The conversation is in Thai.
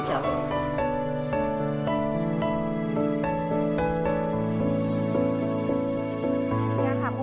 ครับคุณผู้ชมค่ะ